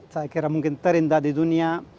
saya kira mungkin terindah di dunia